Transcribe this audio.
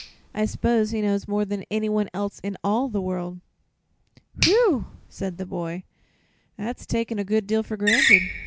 I s'pose he knows more than anyone else in all the world." "Whew!" said the boy; "that's taking a good deal for granted.